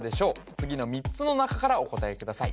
次の３つの中からお答えください